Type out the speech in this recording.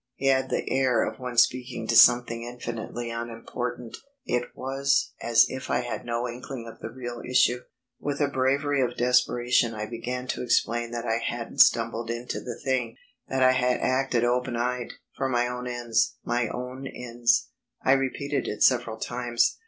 He had the air of one speaking to something infinitely unimportant. It was as if I had no inkling of the real issue. With a bravery of desperation I began to explain that I hadn't stumbled into the thing; that I had acted open eyed; for my own ends ... "My own ends." I repeated it several times.